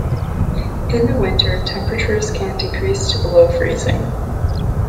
In the winter, temperatures can decrease to below freezing.